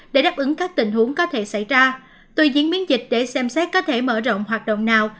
để đáp ứng các tình huống có thể xảy ra tuy diễn biến dịch để xem xét có thể mở rộng hoạt động nào